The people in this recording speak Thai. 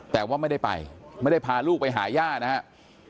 แต่ว่าไม่ได้ไปไม่ได้พาลูกไปหาย่านะครับ